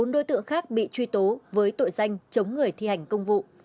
bốn đối tượng khác bị truy tố với tội danh chống người thi hành công vụ